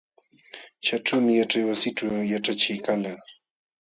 Chaćhuumi yaćhaywasićhu yaćhachiq kalqa.